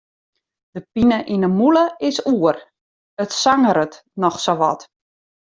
De pine yn 'e mûle is oer, it sangeret noch sa wat.